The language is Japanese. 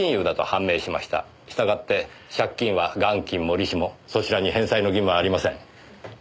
したがって借金は元金も利子もそちらに返済の義務はありません。